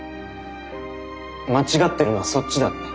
間違ってるのはそっちだって。